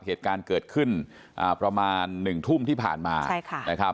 เหตุการณ์เกิดขึ้นประมาณ๑ทุ่มที่ผ่านมา